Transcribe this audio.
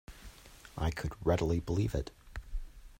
I could readily believe it.